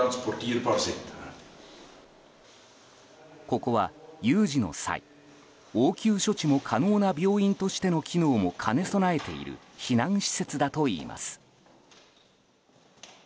ここは有事の際、応急処置も可能な病院としての機能も兼ね備えている避難施設だといいます。